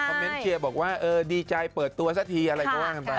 เมนต์เชียร์บอกว่าเออดีใจเปิดตัวซะทีอะไรก็ว่ากันไป